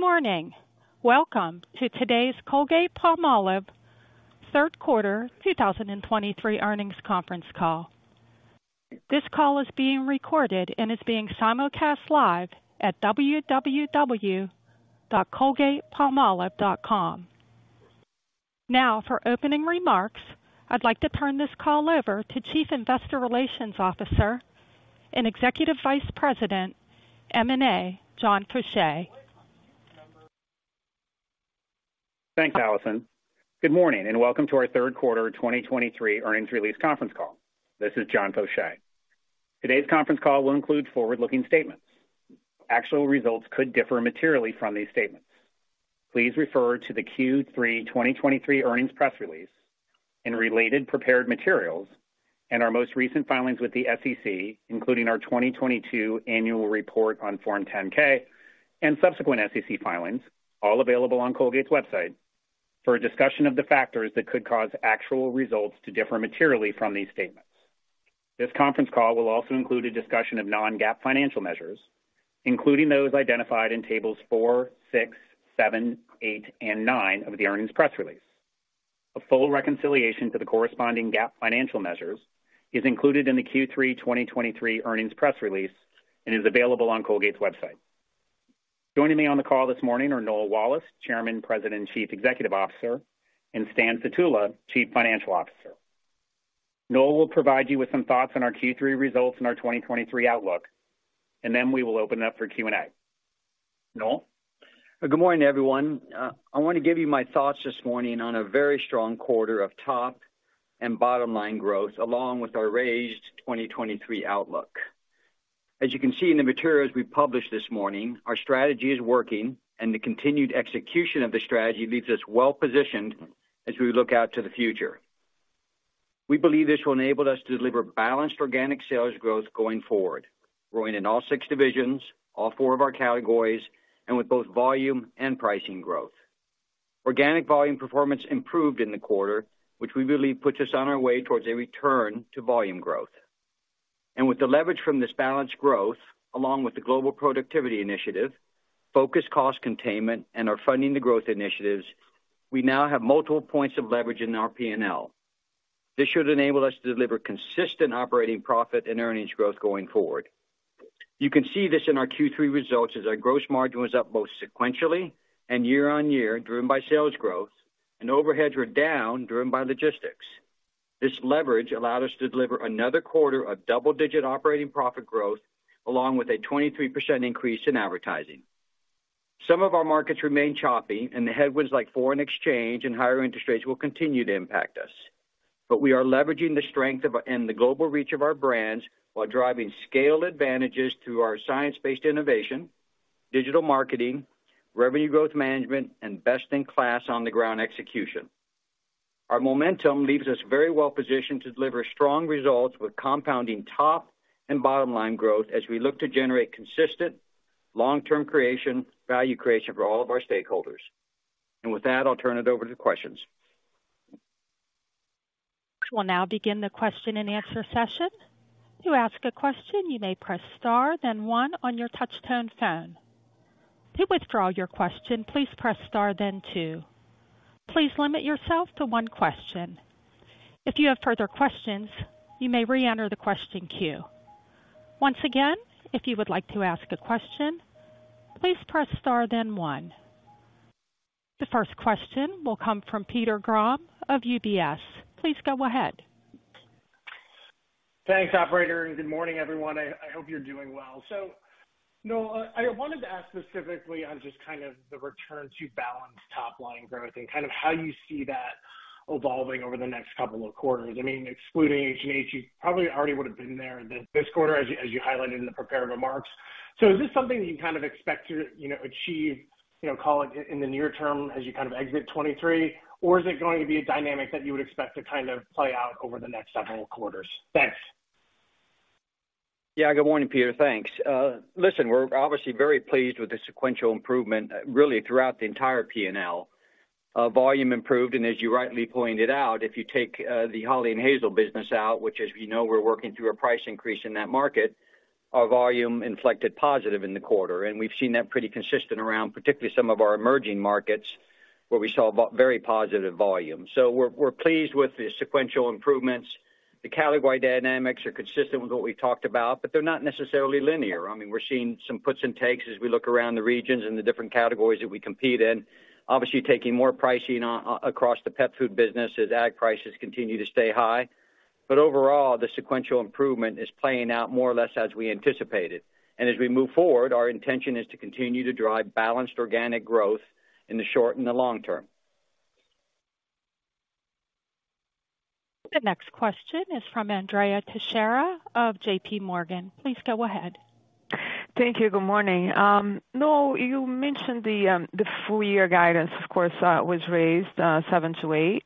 Good morning! Welcome to today's Colgate-Palmolive third quarter 2023 earnings conference call. This call is being recorded and is being simulcast live at www.colgatepalmolive.com. Now, for opening remarks, I'd like to turn this call over to Chief Investor Relations Officer and Executive Vice President, M&A, John Faucher. Thanks, Allison. Good morning, and welcome to our third quarter 2023 earnings release conference call. This is John Faucher. Today's conference call will include forward-looking statements. Actual results could differ materially from these statements. Please refer to the Q3 2023 earnings press release and related prepared materials and our most recent filings with the SEC, including our 2022 annual report on Form 10-K and subsequent SEC filings, all available on Colgate's website, for a discussion of the factors that could cause actual results to differ materially from these statements. This conference call will also include a discussion of non-GAAP financial measures, including those identified in tables four, six, seven, eight, and nine of the earnings press release. A full reconciliation to the corresponding GAAP financial measures is included in the Q3 2023 earnings press release and is available on Colgate's website. Joining me on the call this morning are Noel Wallace, Chairman, President, and Chief Executive Officer, and Stan Sutula, Chief Financial Officer. Noel will provide you with some thoughts on our Q3 results and our 2023 outlook, and then we will open up for Q&A. Noel? Good morning, everyone. I want to give you my thoughts this morning on a very strong quarter of top and bottom-line growth, along with our raised 2023 outlook. As you can see in the materials we published this morning, our strategy is working, and the continued execution of the strategy leaves us well-positioned as we look out to the future. We believe this will enable us to deliver balanced organic sales growth going forward, growing in all six divisions, all four of our categories, and with both volume and pricing growth. Organic volume performance improved in the quarter, which we believe puts us on our way towards a return to volume growth. And with the leverage from this balanced growth, along with the global productivity initiative, focused cost containment, and our Funding the Growth initiatives, we now have multiple points of leverage in our P&L. This should enable us to deliver consistent operating profit and earnings growth going forward. You can see this in our Q3 results, as our gross margin was up both sequentially and year-over-year, driven by sales growth, and overheads were down, driven by logistics. This leverage allowed us to deliver another quarter of double-digit operating profit growth, along with a 23% increase in advertising. Some of our markets remain choppy, and the headwinds, like foreign exchange and higher interest rates, will continue to impact us. But we are leveraging the strength of and the global reach of our brands while driving scale advantages through our science-based innovation, digital marketing, revenue growth management, and best-in-class on-the-ground execution. Our momentum leaves us very well positioned to deliver strong results with compounding top and bottom-line growth as we look to generate consistent, long-term value creation for all of our stakeholders. With that, I'll turn it over to questions. We'll now begin the question-and-answer session. To ask a question, you may press star, then one on your touchtone phone. To withdraw your question, please press star, then two. Please limit yourself to one question. If you have further questions, you may reenter the question queue. Once again, if you would like to ask a question, please press star, then one. The first question will come from Peter Grom of UBS. Please go ahead. Thanks, operator, and good morning, everyone. I hope you're doing well. So Noel, I wanted to ask specifically on just kind of the return to balanced top-line growth and kind of how you see that evolving over the next couple of quarters. I mean, excluding H&H, you probably already would have been there this quarter, as you highlighted in the prepared remarks. So is this something that you kind of expect to, you know, achieve, you know, call it, in the near term as you kind of exit 2023? Or is it going to be a dynamic that you would expect to kind of play out over the next several quarters? Thanks. Yeah. Good morning, Peter. Thanks. Listen, we're obviously very pleased with the sequential improvement, really, throughout the entire P&L. Volume improved, and as you rightly pointed out, if you take the Hawley & Hazel business out, which, as we know, we're working through a price increase in that market, our volume inflected positive in the quarter, and we've seen that pretty consistent around, particularly some of our emerging markets, where we saw very positive volume. So we're pleased with the sequential improvements. The category dynamics are consistent with what we talked about, but they're not necessarily linear. I mean, we're seeing some puts and takes as we look around the regions and the different categories that we compete in. Obviously, taking more pricing across the pet food business as agg prices continue to stay high. Overall, the sequential improvement is playing out more or less as we anticipated. As we move forward, our intention is to continue to drive balanced organic growth in the short and the long term. The next question is from Andrea Teixeira of JPMorgan. Please go ahead. Thank you. Good morning. Noel, you mentioned the full-year guidance, of course, was raised seven to eight,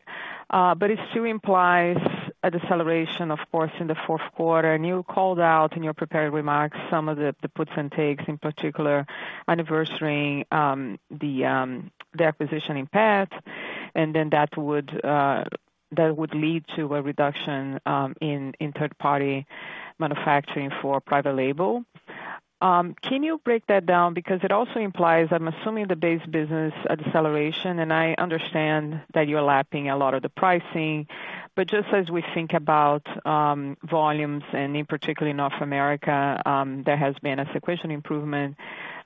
but it still implies a deceleration, of course, in the fourth quarter. You called out in your prepared remarks some of the puts and takes, in particular, anniversary, the acquisition in pets and then that would lead to a reduction in third-party manufacturing for private label. Can you break that down? Because it also implies, I'm assuming, the base business acceleration, and I understand that you're lapping a lot of the pricing. But just as we think about volumes, and in particular in North America, there has been a sequential improvement,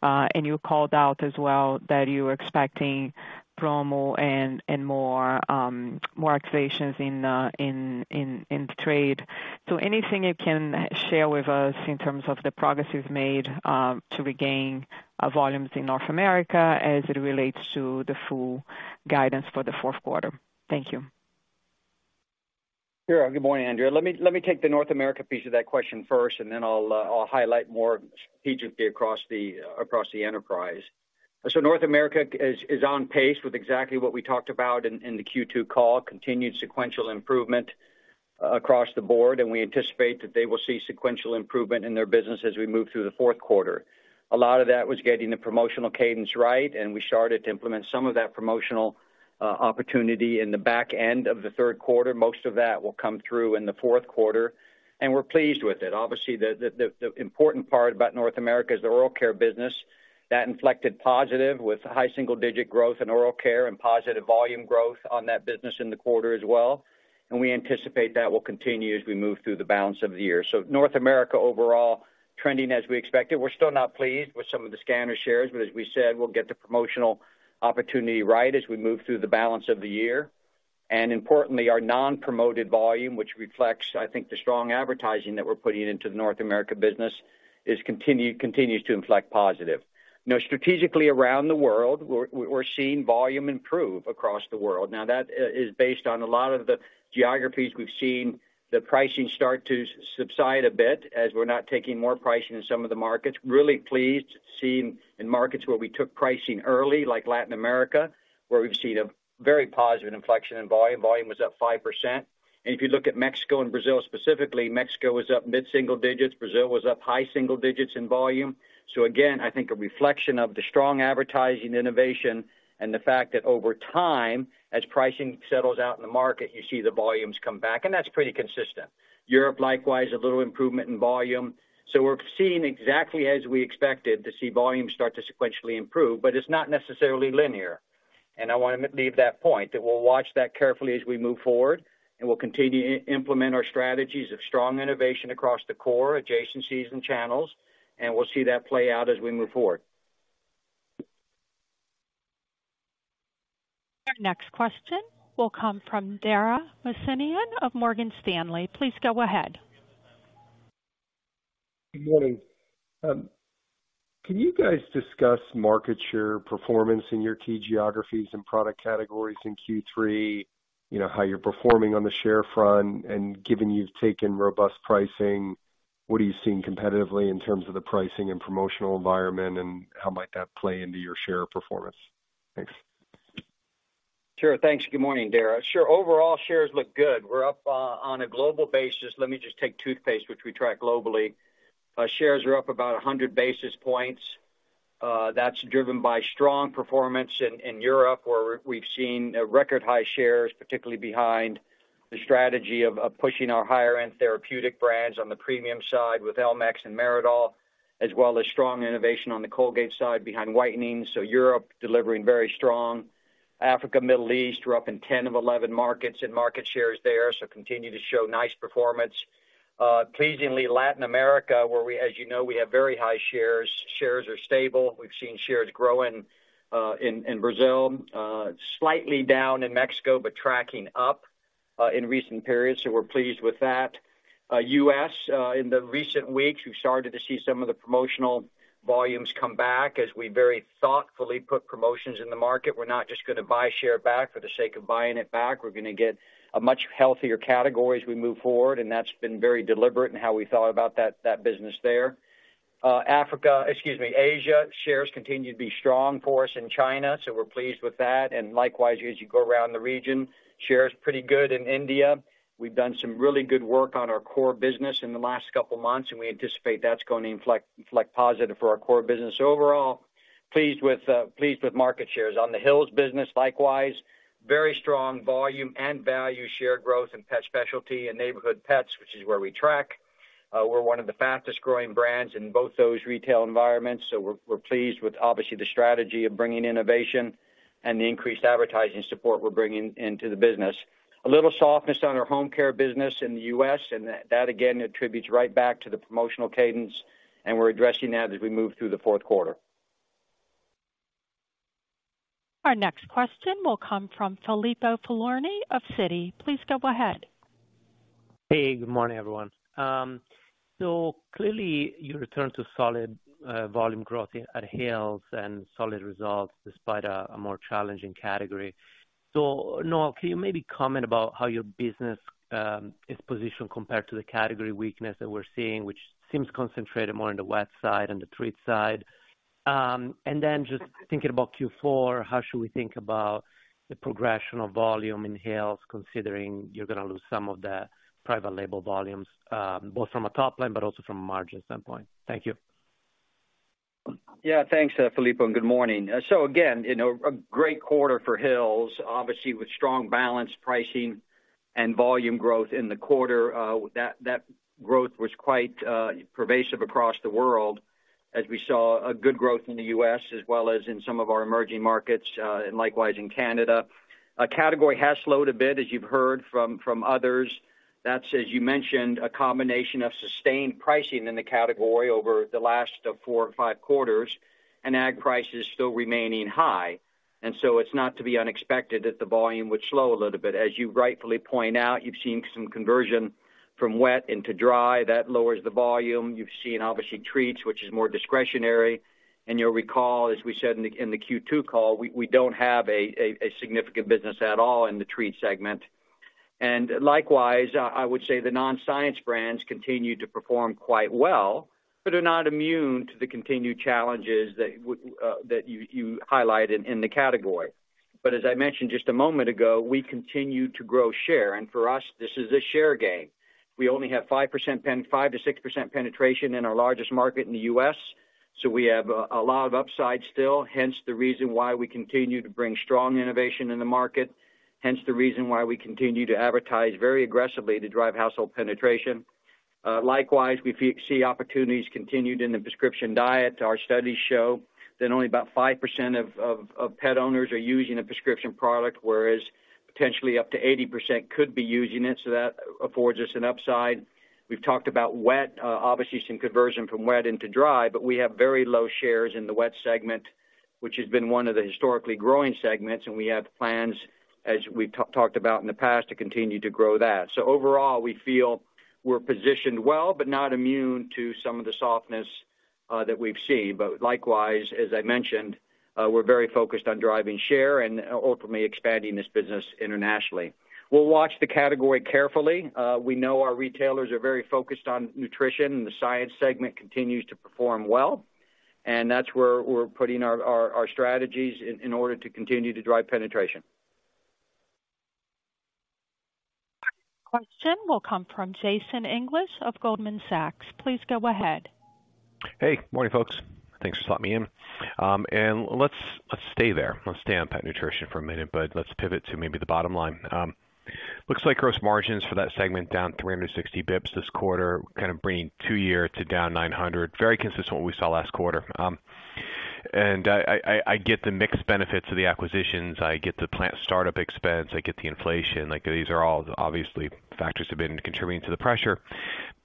and you called out as well that you were expecting promo and more activations in the trade. So anything you can share with us in terms of the progress you've made to regain volumes in North America as it relates to the full guidance for the fourth quarter? Thank you. Sure. Good morning, Andrea. Let me take the North America piece of that question first, and then I'll highlight more strategically across the enterprise. So North America is on pace with exactly what we talked about in the Q2 call, continued sequential improvement across the board, and we anticipate that they will see sequential improvement in their business as we move through the fourth quarter. A lot of that was getting the promotional cadence right, and we started to implement some of that promotional opportunity in the back end of the third quarter. Most of that will come through in the fourth quarter, and we're pleased with it. Obviously, the important part about North America is the oral care business. That inflected positive with high single-digit growth in oral care and positive volume growth on that business in the quarter as well, and we anticipate that will continue as we move through the balance of the year. North America, overall, trending as we expected. We're still not pleased with some of the scanner shares, but as we said, we'll get the promotional opportunity right as we move through the balance of the year. Importantly, our non-promoted volume, which reflects, I think, the strong advertising that we're putting into the North America business, continues to inflect positive. Now, strategically around the world, we're seeing volume improve across the world. Now, that is based on a lot of the geographies we've seen the pricing start to subside a bit as we're not taking more pricing in some of the markets. Really pleased, seeing in markets where we took pricing early, like Latin America, where we've seen a very positive inflection in volume. Volume was up 5%. And if you look at Mexico and Brazil, specifically, Mexico was up mid-single digits. Brazil was up high single digits in volume. So again, I think a reflection of the strong advertising innovation and the fact that over time, as pricing settles out in the market, you see the volumes come back, and that's pretty consistent. Europe, likewise, a little improvement in volume. So we're seeing exactly as we expected to see volumes start to sequentially improve, but it's not necessarily linear. I want to leave that point, that we'll watch that carefully as we move forward, and we'll continue to implement our strategies of strong innovation across the core adjacencies and channels, and we'll see that play out as we move forward. Our next question will come from Dara Mohsenian of Morgan Stanley. Please go ahead. Good morning. Can you guys discuss market share performance in your key geographies and product categories in Q3? You know, how you're performing on the share front, and given you've taken robust pricing, what are you seeing competitively in terms of the pricing and promotional environment, and how might that play into your share performance? Thanks. Sure. Thanks. Good morning, Dara. Sure. Overall, shares look good. We're up on a global basis. Let me just take toothpaste, which we track globally. Shares are up about 100 basis points. That's driven by strong performance in Europe, where we've seen record high shares, particularly behind the strategy of pushing our higher-end therapeutic brands on the premium side with Elmex and Meridol, as well as strong innovation on the Colgate side behind whitening. So Europe, delivering very strong. Africa, Middle East, we're up in 10 of 11 markets in market shares there, so continue to show nice performance. Pleasingly, Latin America, where, as you know, we have very high shares. Shares are stable. We've seen shares grow in Brazil, slightly down in Mexico, but tracking up in recent periods, so we're pleased with that. U.S., in the recent weeks, we've started to see some of the promotional volumes come back as we very thoughtfully put promotions in the market. We're not just gonna buy share back for the sake of buying it back. We're gonna get a much healthier category as we move forward, and that's been very deliberate in how we thought about that, that business there. Africa, excuse me, Asia, shares continue to be strong for us in China, so we're pleased with that, and likewise, as you go around the region, share is pretty good in India. We've done some really good work on our core business in the last couple of months, and we anticipate that's going to inflect, inflect positive for our core business. Overall, pleased with, pleased with market shares. On the Hill's business, likewise, very strong volume and value share growth in pet specialty and neighborhood pets, which is where we track. We're one of the fastest growing brands in both those retail environments, so we're pleased with, obviously, the strategy of bringing innovation and the increased advertising support we're bringing into the business. A little softness on our home care business in the U.S., and that again attributes right back to the promotional cadence, and we're addressing that as we move through the fourth quarter. Our next question will come from Filippo Falorni of Citi. Please go ahead. Hey, good morning, everyone. So clearly, you returned to solid volume growth at Hill's and solid results despite a more challenging category. So Noel, can you maybe comment about how your business is positioned compared to the category weakness that we're seeing, which seems concentrated more on the wet side and the treat side? And then just thinking about Q4, how should we think about the progression of volume in Hill's, considering you're gonna lose some of the private label volumes both from a top line, but also from a margin standpoint? Thank you. Yeah, thanks, Filippo, and good morning. So again, you know, a great quarter for Hill's, obviously, with strong balanced pricing and volume growth in the quarter. That growth was quite pervasive across the world as we saw good growth in the U.S. as well as in some of our emerging markets, and likewise in Canada. A category has slowed a bit, as you've heard from others. That's, as you mentioned, a combination of sustained pricing in the category over the last four or five quarters, and agg prices still remaining high. And so it's not to be unexpected that the volume would slow a little bit. As you rightfully point out, you've seen some conversion from wet into dry. That lowers the volume. You've seen, obviously, treats, which is more discretionary, and you'll recall, as we said in the Q2 call, we don't have a significant business at all in the treat segment. Likewise, I would say the non-science brands continue to perform quite well, but are not immune to the continued challenges that you highlighted in the category. As I mentioned just a moment ago, we continue to grow share, and for us, this is a share game. We only have 5%-6% penetration in our largest market in the U.S., so we have a lot of upside still, hence the reason why we continue to bring strong innovation in the market, hence the reason why we continue to advertise very aggressively to drive household penetration. Likewise, we see opportunities continued in the Prescription Diet. Our studies show that only about 5% of pet owners are using a prescription product, whereas potentially up to 80% could be using it, so that affords us an upside. We've talked about wet, obviously some conversion from wet into dry, but we have very low shares in the wet segment, which has been one of the historically growing segments, and we have plans, as we talked about in the past, to continue to grow that. So overall, we feel we're positioned well, but not immune to some of the softness that we've seen. But likewise, as I mentioned, we're very focused on driving share and ultimately expanding this business internationally. We'll watch the category carefully. We know our retailers are very focused on nutrition, and the science segment continues to perform well, and that's where we're putting our strategies in order to continue to drive penetration. Question will come from Jason English of Goldman Sachs. Please go ahead. Hey, morning, folks. Thanks for letting me in. And let's stay there. Let's stay on pet nutrition for a minute, but let's pivot to maybe the bottom line. Looks like gross margins for that segment down 360 basis points this quarter, kind of bringing two-year to down 900. Very consistent with what we saw last quarter. And I get the mixed benefits of the acquisitions, I get the plant startup expense, I get the inflation, like, these are all obviously factors have been contributing to the pressure.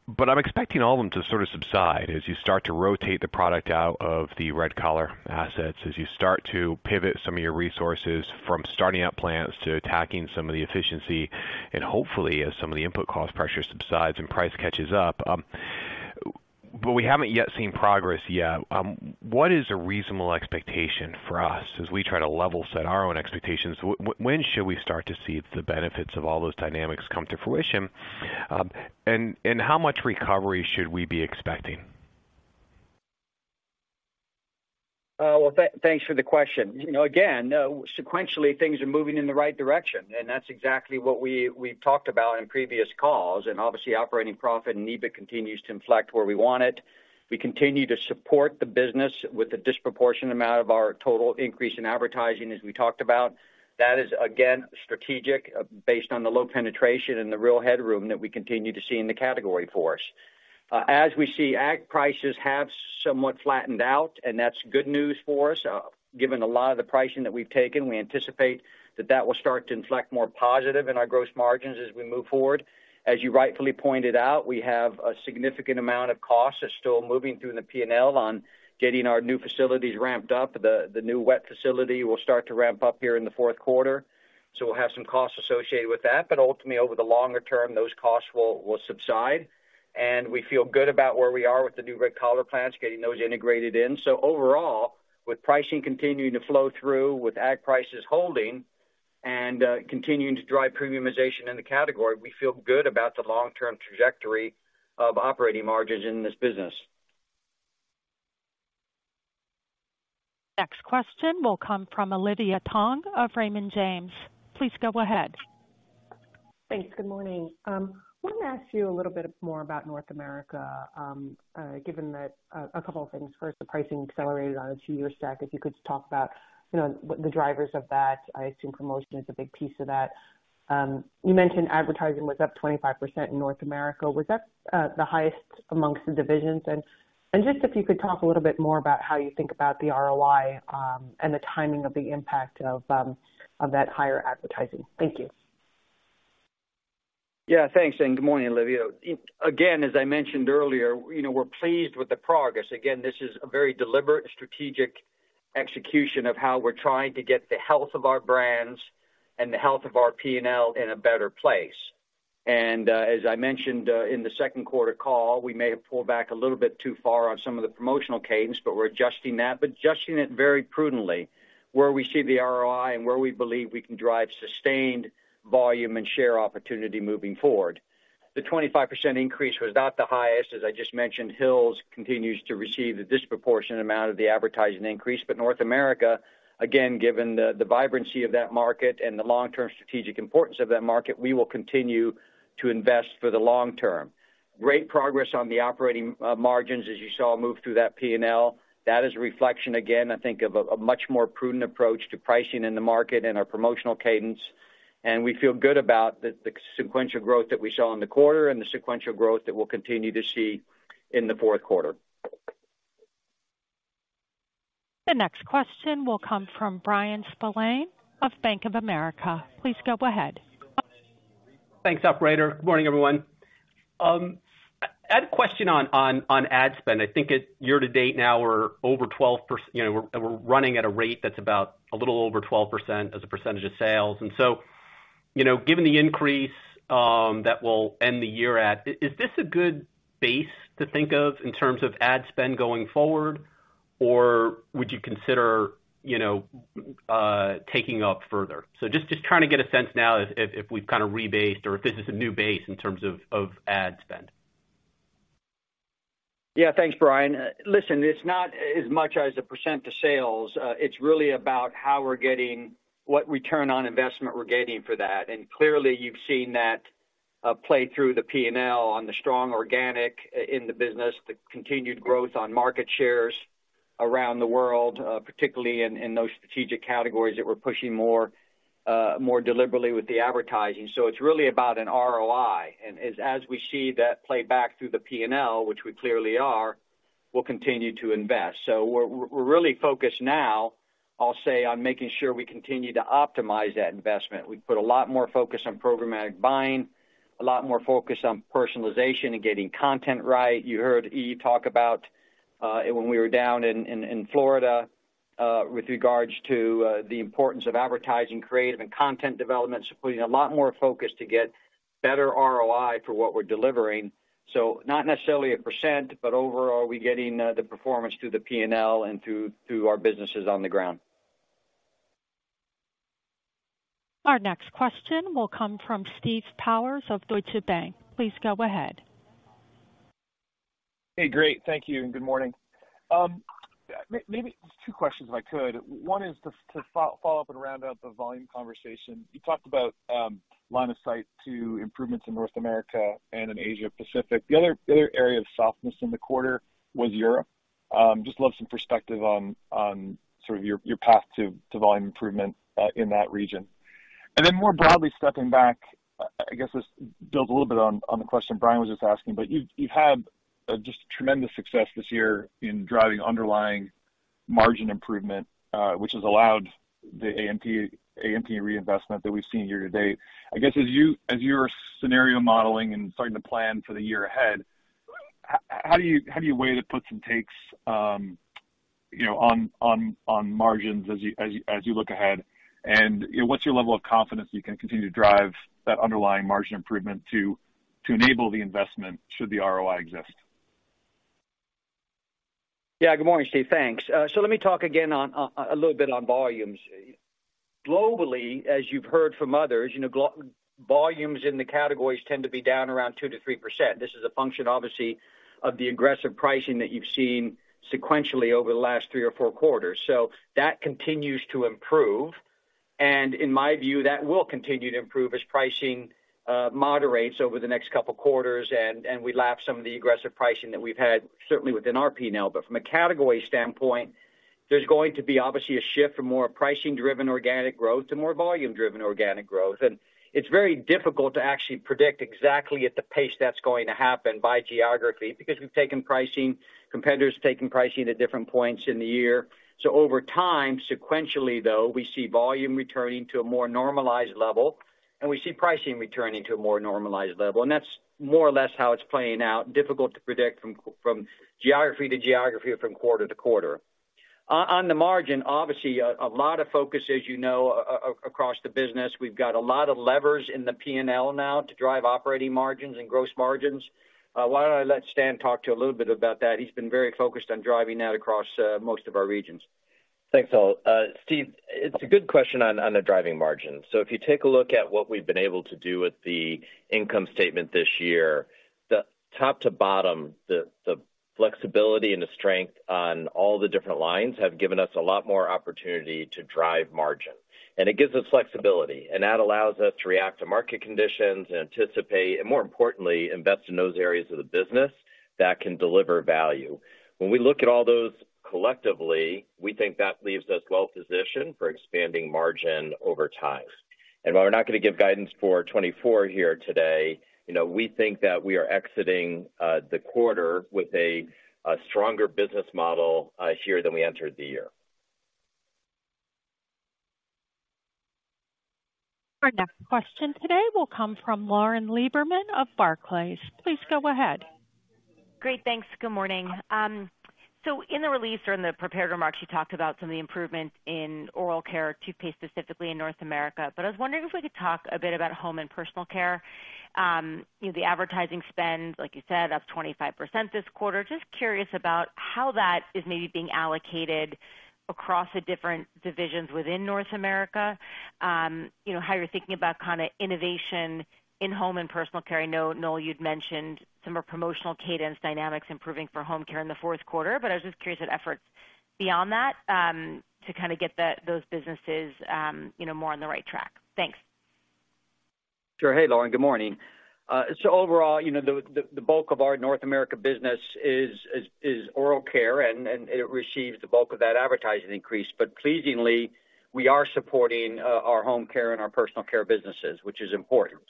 But I'm expecting all of them to sort of subside as you start to rotate the product out of the Red Collar assets, as you start to pivot some of your resources from starting up plants to attacking some of the efficiency, and hopefully, as some of the input cost pressure subsides and price catches up, but we haven't yet seen progress yet. What is a reasonable expectation for us as we try to level set our own expectations? When should we start to see if the benefits of all those dynamics come to fruition? And how much recovery should we be expecting? Well, thanks for the question. You know, again, sequentially, things are moving in the right direction, and that's exactly what we've talked about in previous calls. Obviously, operating profit and EBIT continues to inflect where we want it. We continue to support the business with a disproportionate amount of our total increase in advertising, as we talked about. That is, again, strategic, based on the low penetration and the real headroom that we continue to see in the category for us. As we see, agg prices have somewhat flattened out, and that's good news for us. Given a lot of the pricing that we've taken, we anticipate that that will start to inflect more positive in our gross margins as we move forward. As you rightfully pointed out, we have a significant amount of costs that's still moving through the P&L on getting our new facilities ramped up. The new wet facility will start to ramp up here in the fourth quarter, so we'll have some costs associated with that, but ultimately, over the longer term, those costs will subside. We feel good about where we are with the new Red Collar plants, getting those integrated in. So overall, with pricing continuing to flow through, with agg prices holding and continuing to drive premiumization in the category, we feel good about the long-term trajectory of operating margins in this business. Next question will come from Olivia Tong of Raymond James. Please go ahead. Thanks. Good morning. Wanted to ask you a little bit more about North America, given that a couple of things. First, the pricing accelerated on a two-year stack. If you could just talk about, you know, what the drivers of that, I assume promotion is a big piece of that. You mentioned advertising was up 25% in North America. Was that the highest amongst the divisions? And just if you could talk a little bit more about how you think about the ROI, and the timing of the impact of that higher advertising. Thank you. Yeah, thanks, and good morning, Olivia. It, again, as I mentioned earlier, you know, we're pleased with the progress. Again, this is a very deliberate strategic execution of how we're trying to get the health of our brands and the health of our P&L in a better place. And, as I mentioned, in the second quarter call, we may have pulled back a little bit too far on some of the promotional cadence, but we're adjusting that, but adjusting it very prudently, where we see the ROI and where we believe we can drive sustained volume and share opportunity moving forward. The 25% increase was not the highest. As I just mentioned, Hill's continues to receive a disproportionate amount of the advertising increase. But North America, again, given the, the vibrancy of that market and the long-term strategic importance of that market, we will continue to invest for the long term. Great progress on the operating margins, as you saw, move through that P&L. That is a reflection, again, I think, of a, a much more prudent approach to pricing in the market and our promotional cadence. We feel good about the, the sequential growth that we saw in the quarter and the sequential growth that we'll continue to see in the fourth quarter. The next question will come from Bryan Spillane of Bank of America. Please go ahead. Thanks, operator. Good morning, everyone. I had a question on ad spend. I think it year-to-date now we're over 12%, you know, we're running at a rate that's about a little over 12% as a percentage of sales. And so, you know, given the increase that we'll end the year at, is this a good base to think of in terms of ad spend going forward, or would you consider, you know, taking up further? So just trying to get a sense now if we've kind of rebased or if this is a new base in terms of ad spend. Yeah. Thanks, Bryan. Listen, it's not as much as a percent to sales. It's really about how we're getting what return on investment we're getting for that. And clearly, you've seen that play through the P&L on the strong organic in the business, the continued growth on market shares around the world, particularly in those strategic categories that we're pushing more, more deliberately with the advertising. So it's really about an ROI. And as we see that play back through the P&L, which we clearly are, we'll continue to invest. So we're really focused now, I'll say, on making sure we continue to optimize that investment. We put a lot more focus on programmatic buying, a lot more focus on personalization and getting content right. You heard me talk about when we were down in Florida with regards to the importance of advertising, creative, and content development, so putting a lot more focus to get better ROI for what we're delivering. So not necessarily a percent, but overall, we're getting the performance through the P&L and through our businesses on the ground. Our next question will come from Steve Powers of Deutsche Bank. Please go ahead. Hey, great. Thank you, and good morning. Maybe just two questions, if I could. One is to follow up and round out the volume conversation. You talked about line of sight to improvements in North America and in Asia Pacific. The other area of softness in the quarter was Europe. Just love some perspective on sort of your path to volume improvement in that region. And then more broadly, stepping back, I guess this builds a little bit on the question Bryan was just asking, but you've had just tremendous success this year in driving underlying margin improvement, which has allowed the A&P reinvestment that we've seen year-to-date. I guess, as you're scenario modeling and starting to plan for the year ahead, how do you weigh the puts and takes, you know, on margins as you look ahead? And, you know, what's your level of confidence you can continue to drive that underlying margin improvement to enable the investment should the ROI exist? Yeah. Good morning, Steve. Thanks. So let me talk again on a little bit on volumes. Globally, as you've heard from others, you know, volumes in the categories tend to be down around 2%-3%. This is a function, obviously, of the aggressive pricing that you've seen sequentially over the last three or four quarters. So that continues to improve, and in my view, that will continue to improve as pricing moderates over the next couple of quarters, and we lap some of the aggressive pricing that we've had, certainly within our P&L. But from a category standpoint, there's going to be, obviously, a shift from more pricing-driven organic growth to more volume-driven organic growth. It's very difficult to actually predict exactly at the pace that's going to happen by geography, because we've taken pricing. Competitors have taken pricing at different points in the year. So over time, sequentially, though, we see volume returning to a more normalized level, and we see pricing returning to a more normalized level, and that's more or less how it's playing out. Difficult to predict from geography to geography or from quarter to quarter. On the margin, obviously, a lot of focus, as you know, across the business. We've got a lot of levers in the P&L now to drive operating margins and gross margins. Why don't I let Stan talk to you a little bit about that? He's been very focused on driving that across most of our regions. Thanks, Noel. Steve, it's a good question on the driving margin. So if you take a look at what we've been able to do with the income statement this year, the top to bottom, the flexibility and the strength on all the different lines have given us a lot more opportunity to drive margin, and it gives us flexibility, and that allows us to react to market conditions and anticipate, and more importantly, invest in those areas of the business that can deliver value. When we look at all those collectively, we think that leaves us well-positioned for expanding margin over time. And while we're not going to give guidance for 2024 here today, you know, we think that we are exiting the quarter with a stronger business model here than we entered the year. Our next question today will come from Lauren Lieberman of Barclays. Please go ahead. Great, thanks. Good morning. So in the release or in the prepared remarks, you talked about some of the improvements in oral care, toothpaste, specifically in North America. But I was wondering if we could talk a bit about home and personal care. You know, the advertising spend, like you said, up 25% this quarter. Just curious about how that is maybe being allocated across the different divisions within North America. You know, how you're thinking about kind of innovation in home and personal care. I know, Noel, you'd mentioned some more promotional cadence dynamics improving for home care in the fourth quarter, but I was just curious of efforts beyond that, to kind of get those businesses, you know, more on the right track. Thanks. Sure. Hey, Lauren, good morning. So overall, you know, the bulk of our North America business is oral care, and it receives the bulk of that advertising increase. But pleasingly, we are supporting our home care and our personal care businesses, which is important.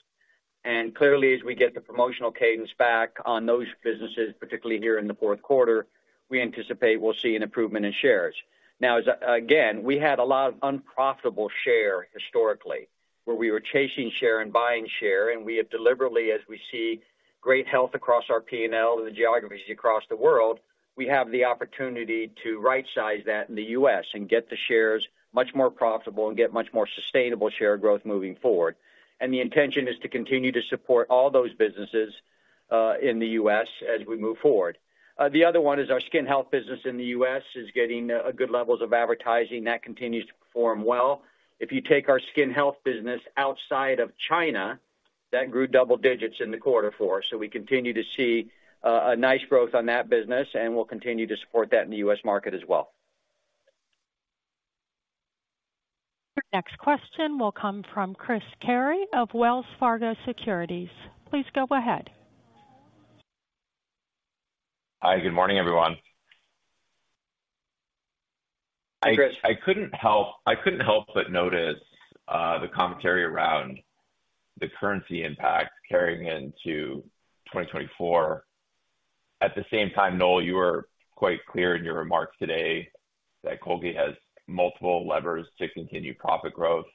And clearly, as we get the promotional cadence back on those businesses, particularly here in the fourth quarter, we anticipate we'll see an improvement in shares. Now, as again, we had a lot of unprofitable share historically, where we were chasing share and buying share, and we have deliberately, as we see great health across our P&L and the geographies across the world, we have the opportunity to rightsize that in the U.S. and get the shares much more profitable and get much more sustainable share growth moving forward. The intention is to continue to support all those businesses in the U.S. as we move forward. The other one is our skin health business in the U.S. is getting good levels of advertising. That continues to perform well. If you take our skin health business outside of China, that grew double digits in the quarter four. We continue to see a nice growth on that business, and we'll continue to support that in the U.S. market as well. Your next question will come from Chris Carey of Wells Fargo Securities. Please go ahead. Hi, good morning, everyone. Hi, Chris. I couldn't help but notice the commentary around the currency impact carrying into 2024. At the same time, Noel, you were quite clear in your remarks today that Colgate has multiple levers to continue profit growth.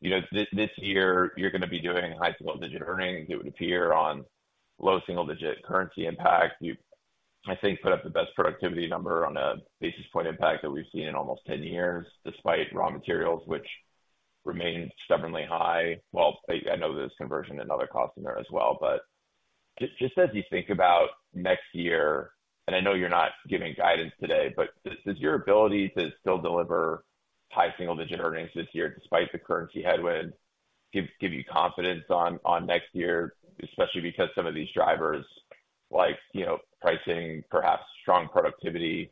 You know, this year, you're gonna be doing high single-digit earnings, it would appear, on low single-digit currency impact. You've, I think, put up the best productivity number on a basis point impact that we've seen in almost 10 years, despite raw materials, which remained stubbornly high. Well, I know there's conversion and other costs in there as well. But just as you think about next year, and I know you're not giving guidance today, but does your ability to still deliver high single-digit earnings this year despite the currency headwind give you confidence on next year, especially because some of these drivers, like, you know, pricing, perhaps strong productivity,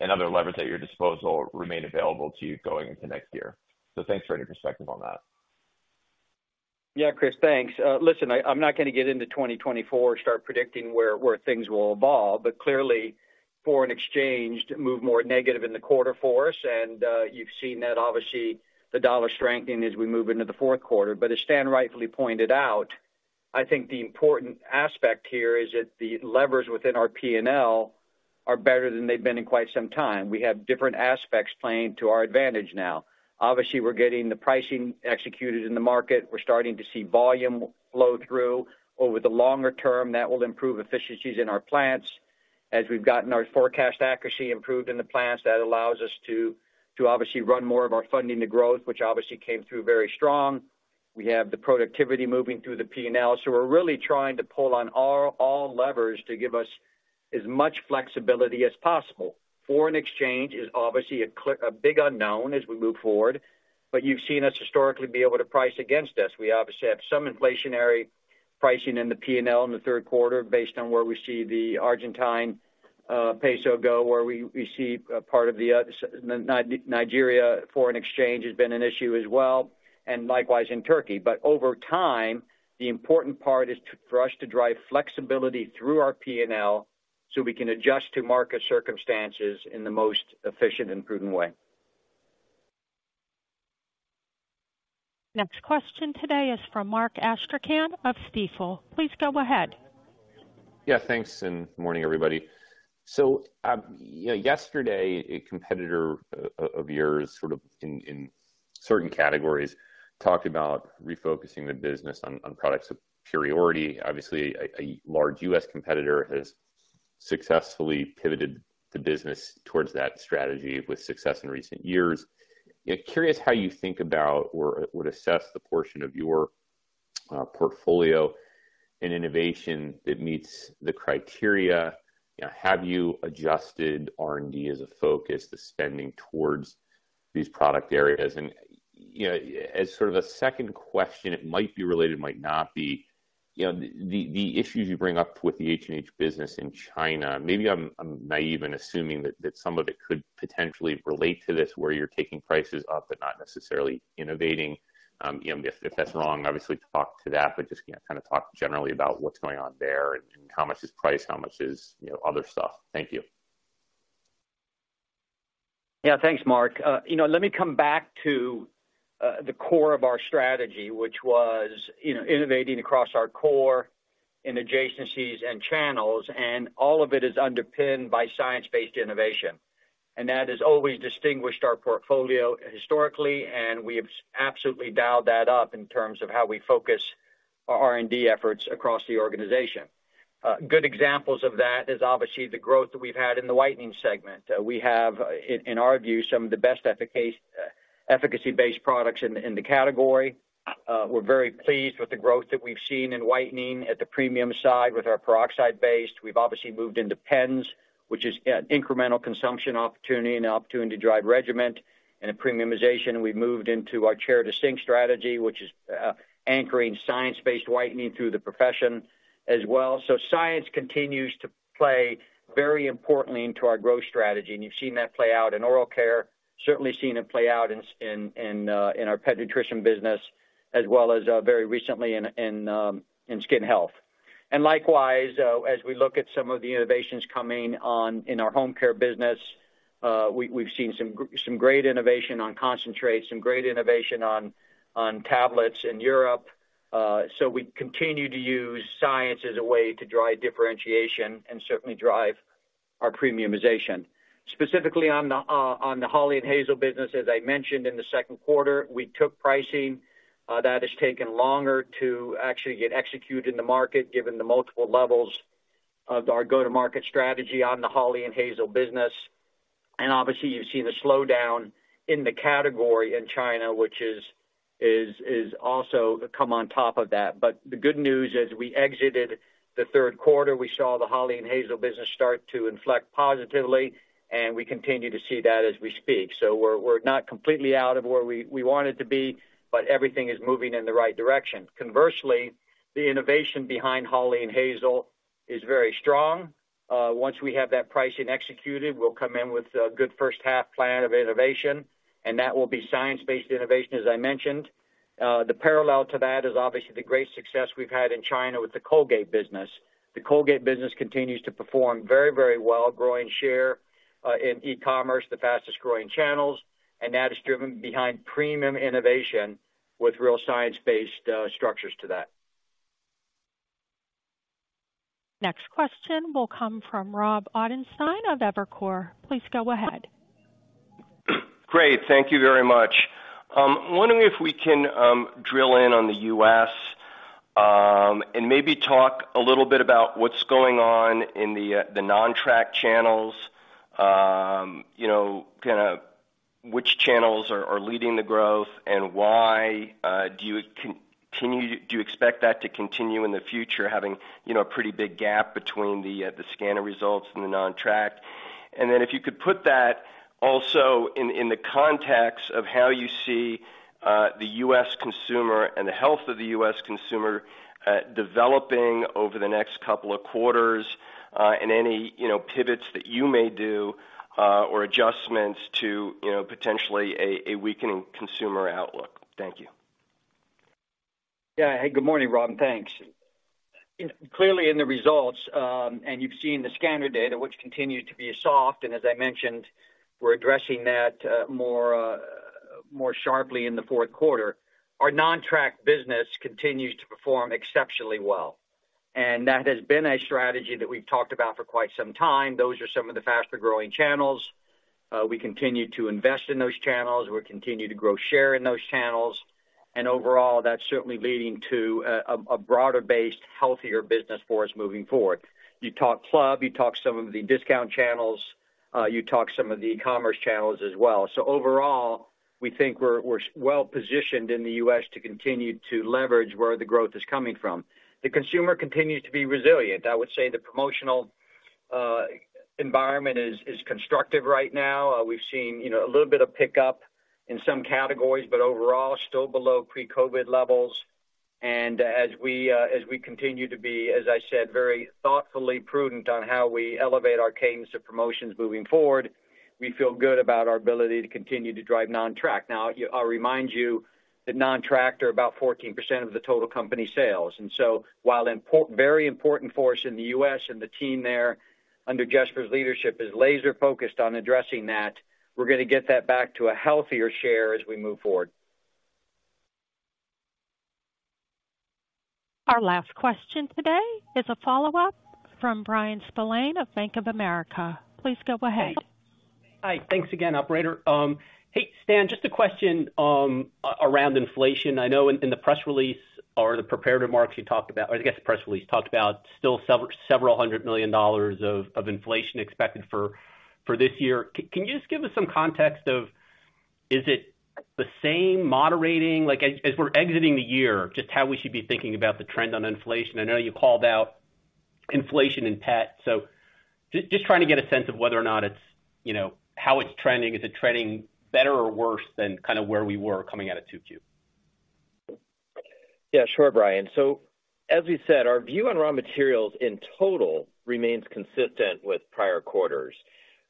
and other levers at your disposal remain available to you going into next year? So thanks for your perspective on that. Yeah, Chris, thanks. Listen, I'm not gonna get into 2024 and start predicting where things will evolve, but clearly, foreign exchange moved more negative in the quarter for us, and you've seen that obviously, the dollar strengthening as we move into the fourth quarter. But as Stan rightfully pointed out, I think the important aspect here is that the levers within our P&L are better than they've been in quite some time. We have different aspects playing to our advantage now. Obviously, we're getting the pricing executed in the market. We're starting to see volume flow through. Over the longer term, that will improve efficiencies in our plants. As we've gotten our forecast accuracy improved in the plants, that allows us to obviously run more of our Funding the Growth, which obviously came through very strong. We have the productivity moving through the P&L. So we're really trying to pull on all, all levers to give us as much flexibility as possible. Foreign exchange is obviously a big unknown as we move forward, but you've seen us historically be able to price against this. We obviously have some inflationary pricing in the P&L in the third quarter based on where we see the Argentine peso go, where we see a part of the Nigeria foreign exchange has been an issue as well, and likewise in Turkey. But over time, the important part is for us to drive flexibility through our P&L, so we can adjust to market circumstances in the most efficient and prudent way. Next question today is from Mark Astrachan of Stifel. Please go ahead. Yeah, thanks, and morning, everybody. So, you know, yesterday, a competitor of yours, sort of in certain categories, talked about refocusing the business on products of superiority. Obviously, a large U.S. competitor has successfully pivoted the business towards that strategy with success in recent years. Yeah, curious how you think about or would assess the portion of your portfolio in innovation that meets the criteria. You know, have you adjusted R&D as a focus, the spending towards these product areas? And, you know, as sort of a second question, it might be related, might not be. You know, the issues you bring up with the H&H business in China, maybe I'm naive in assuming that some of it could potentially relate to this, where you're taking prices up but not necessarily innovating. You know, if, if that's wrong, obviously talk to that, but just, you know, kind of talk generally about what's going on there and, and how much is price, how much is, you know, other stuff. Thank you. Yeah. Thanks, Mark. You know, let me come back to the core of our strategy, which was, you know, innovating across our core in adjacencies and channels, and all of it is underpinned by science-based innovation. And that has always distinguished our portfolio historically, and we have absolutely dialed that up in terms of how we focus our R&D efforts across the organization. Good examples of that is obviously the growth that we've had in the whitening segment. We have, in our view, some of the best efficacy-based products in the category. We're very pleased with the growth that we've seen in whitening at the premium side with our peroxide-based. We've obviously moved into pens, which is an incremental consumption opportunity and an opportunity to drive regimen and a premiumization. We've moved into our science-driven strategy, which is anchoring science-based whitening through the profession as well. So science continues to play very importantly into our growth strategy, and you've seen that play out in oral care, certainly seen it play out in our pet nutrition business, as well as very recently in skin health. And likewise, as we look at some of the innovations coming on in our home care business, we've seen some great innovation on concentrates, some great innovation on tablets in Europe. So we continue to use science as a way to drive differentiation and certainly drive our premiumization. Specifically on the Hawley & Hazel business, as I mentioned in the second quarter, we took pricing that has taken longer to actually get executed in the market, given the multiple levels of our go-to-market strategy on the Hawley & Hazel business. And obviously, you've seen a slowdown in the category in China, which is also come on top of that. But the good news, as we exited the third quarter, we saw the Hawley & Hazel business start to inflect positively, and we continue to see that as we speak. So we're not completely out of where we wanted to be, but everything is moving in the right direction. Conversely, the innovation behind Hawley & Hazel is very strong. Once we have that pricing executed, we'll come in with a good first half plan of innovation, and that will be science-based innovation, as I mentioned. The parallel to that is obviously the great success we've had in China with the Colgate business. The Colgate business continues to perform very, very well, growing share, in e-commerce, the fastest-growing channels, and that is driven behind premium innovation with real science-based, structures to that. Next question will come from Rob Ottenstein of Evercore. Please go ahead. Great, thank you very much. Wondering if we can drill in on the U.S., and maybe talk a little bit about what's going on in the non-track channels. You know, kinda which channels are leading the growth and why? Do you expect that to continue in the future, having, you know, a pretty big gap between the scanner results and the non-track? And then if you could put that also in the context of how you see the U.S. consumer and the health of the U.S. consumer developing over the next couple of quarters, and any, you know, pivots that you may do or adjustments to, you know, potentially a weakening consumer outlook. Thank you. Yeah. Hey, good morning, Rob. Thanks. Clearly, in the results, and you've seen the scanner data, which continued to be soft, and as I mentioned, we're addressing that more sharply in the fourth quarter. Our non-track business continues to perform exceptionally well. That has been a strategy that we've talked about for quite some time. Those are some of the faster-growing channels. We continue to invest in those channels. We continue to grow share in those channels, and overall, that's certainly leading to a broader-based, healthier business for us moving forward. You talk club, you talk some of the discount channels, you talk some of the e-commerce channels as well. So overall, we think we're well-positioned in the U.S. to continue to leverage where the growth is coming from. The consumer continues to be resilient. I would say the promotional environment is constructive right now. We've seen, you know, a little bit of pickup in some categories, but overall, still below pre-COVID levels. As we continue to be, as I said, very thoughtfully prudent on how we elevate our cadence of promotions moving forward, we feel good about our ability to continue to drive non-track. Now, I'll remind you that non-track are about 14% of the total company sales. So while important, very important for us in the U.S., and the team there, under Jesper's leadership, is laser-focused on addressing that, we're gonna get that back to a healthier share as we move forward. Our last question today is a follow-up from Bryan Spillane of Bank of America. Please go ahead. Hi. Thanks again, operator. Hey, Stan, just a question around inflation. I know in the press release or the prepared remarks you talked about, I guess, the press release talked about still several hundred million dollars of inflation expected for this year. Can you just give us some context of, is it the same moderating? Like, as we're exiting the year, just how we should be thinking about the trend on inflation. I know you called out inflation in pet, so just trying to get a sense of whether or not it's, you know, how it's trending. Is it trending better or worse than kinda where we were coming out of 2Q? Yeah, sure, Bryan. So as we said, our view on raw materials in total remains consistent with prior quarters,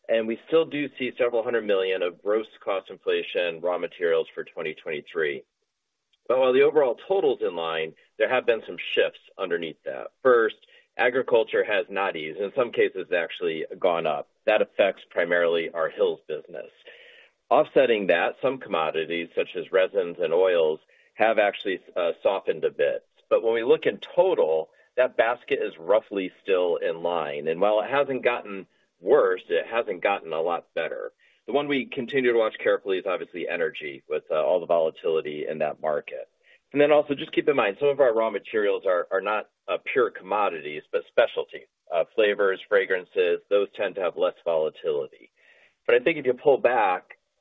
and we still do see several hundred million of gross cost inflation, raw materials for 2023. But while the overall total is in line, there have been some shifts underneath that. First, agriculture has not eased, in some cases, actually gone up. That affects primarily our Hill's business. Offsetting that, some commodities, such as resins and oils, have actually softened a bit. But when we look in total, that basket is roughly still in line, and while it hasn't gotten worse, it hasn't gotten a lot better. The one we continue to watch carefully is obviously energy, with all the volatility in that market. Then also, just keep in mind, some of our raw materials are not pure commodities, but specialties, flavors, fragrances, those tend to have less volatility. But I think if you pull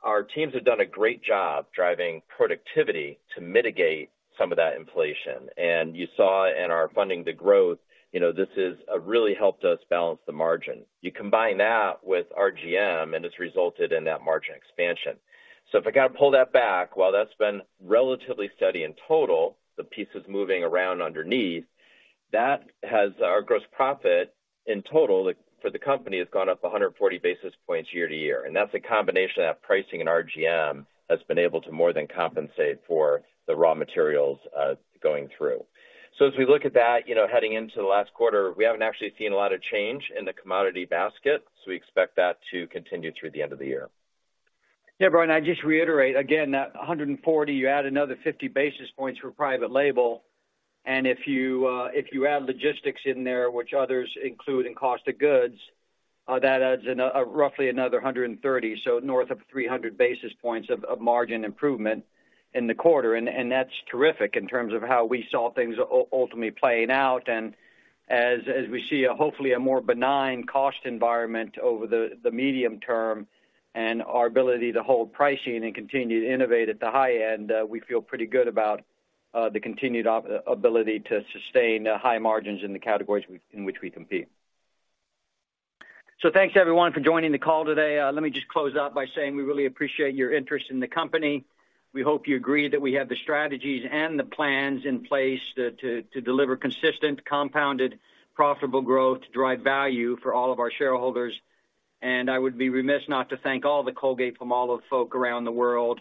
back, our teams have done a great job driving productivity to mitigate some of that inflation. You saw in our Funding the Growth, you know, this has really helped us balance the margin. You combine that with RGM, and it's resulted in that margin expansion. So if I gotta pull that back, while that's been relatively steady in total, the pieces moving around underneath, that has our gross profit in total, the for the company, has gone up 140 basis points year-over-year, and that's a combination of pricing and RGM, that's been able to more than compensate for the raw materials going through. So as we look at that, you know, heading into the last quarter, we haven't actually seen a lot of change in the commodity basket, so we expect that to continue through the end of the year. Yeah, Bryan, I'd just reiterate, again, that 140, you add another 50 basis points for private label, and if you add logistics in there, which others include in cost of goods, that adds in a roughly another 130, so North of 300 basis points of margin improvement in the quarter. And that's terrific in terms of how we saw things ultimately playing out. And as we see hopefully a more benign cost environment over the medium term and our ability to hold pricing and continue to innovate at the high end, we feel pretty good about the continued ability to sustain high margins in the categories in which we compete. So thanks, everyone, for joining the call today. Let me just close out by saying we really appreciate your interest in the company. We hope you agree that we have the strategies and the plans in place to deliver consistent, compounded, profitable growth to drive value for all of our shareholders. And I would be remiss not to thank all the Colgate-Palmolive folk around the world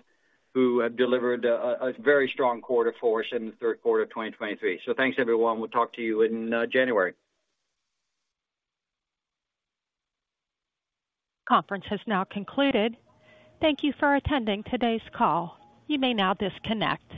who have delivered a very strong quarter for us in the third quarter of 2023. So thanks, everyone. We'll talk to you in January. Conference has now concluded. Thank you for attending today's call. You may now disconnect.